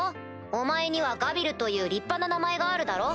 お前にはガビルという立派な名前があるだろ？